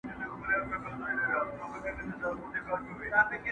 د مجلس په ترڅ کي ئې مبارکي راکړه.